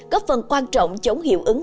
có phần quan trọng chống hiệu ứng